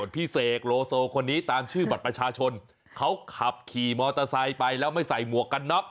พี่เสกโลโซคนนี้ตามชื่อบัตรประชาชนเขาขับขี่มอเตอร์ไซค์ไปแล้วไม่ใส่หมวกกันน็อก